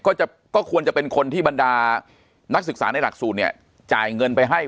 ก็จะก็ควรจะเป็นคนที่บรรดานักศึกษาในหลักสูตรเนี่ยจ่ายเงินไปให้